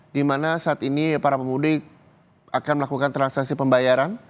di mana saat ini para pemudik akan melakukan transaksi pembayaran